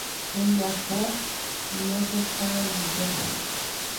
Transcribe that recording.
Hembiapo Ñehesa'ỹijo.